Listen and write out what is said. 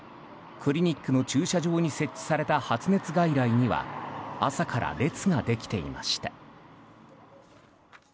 クリニックの駐車場に設置された発熱外来には朝から列ができていました。